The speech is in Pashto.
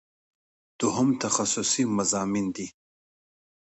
دوهم تخصصي مضامین دي.